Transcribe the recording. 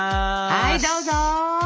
はいどうぞ。